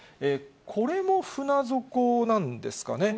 これも船底なんですかね。